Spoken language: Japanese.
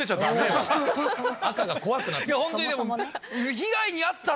赤が怖くなった。